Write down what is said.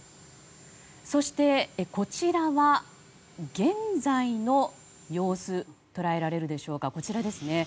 そして、こちらは現在の様子を捉えられるでしょうか。